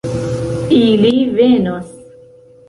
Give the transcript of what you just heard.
Ili venos.